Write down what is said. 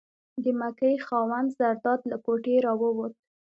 د مکۍ خاوند زرداد له کوټې راووت.